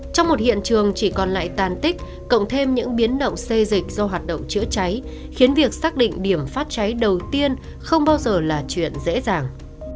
trong một hiện trường chỉ còn lại tàn tích cộng thêm những biến động xây dịch do hoạt động chữa cháy khiến việc xác định điểm phát cháy đầu tiên không bao giờ là chuyện dễ dàng